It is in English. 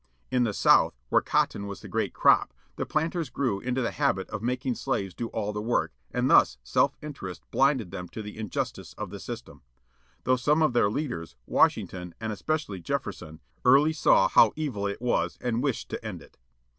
In the South, where cotton was the great crop, the planters grew into the habit of making slaves do all the work, and thus self interest blinded them to the injustice of the system. Though some of their leaders, Washington, and especially Jefferson, early saw how evil it was and wished to end it.